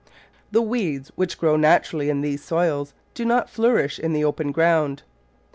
The weeds which grow naturally in these soils do not flourish in the open ground.